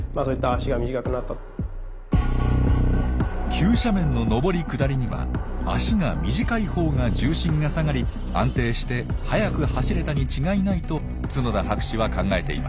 急斜面の上り下りには脚が短いほうが重心が下がり安定して速く走れたに違いないと角田博士は考えています。